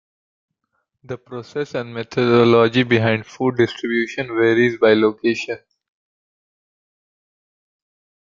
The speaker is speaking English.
The process and methodology behind food distribution varies by location.